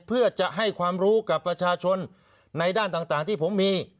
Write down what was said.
เพื่อจะให้ความรู้กับประชาชนในด้านต่างที่ผมมี